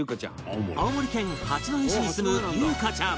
青森県八戸市に住むゆうかちゃん